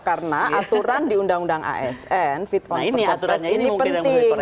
karena aturan di undang undang asn fit proper test ini penting